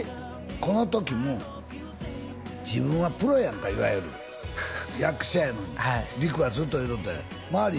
この時も自分はプロやんかいわゆる役者やのにりくがずっと言うとったんや周り